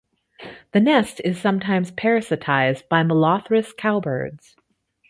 The nest is sometimes parasitised by "Molothrus" cowbirds.